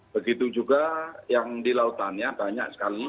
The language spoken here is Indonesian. begitu juga yang di lautannya banyak sekali